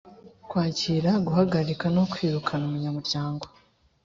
kwakira, guhagarika no kwirukana umunyamuryango